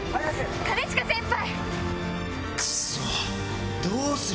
兼近先輩！